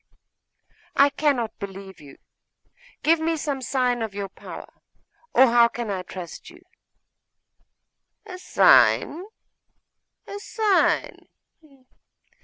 'I cannot believe you! Give me some sign of your power, or how can I trust you?' 'A sign? A sign?